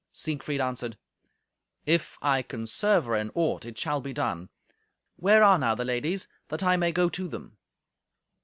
Siegfried answered, "If I can serve her in aught, it shall be done. Where are now the ladies, that I may go to them?"